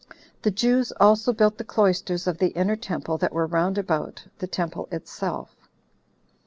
The Jews also built the cloisters of the inner temple that were round about the temple itself.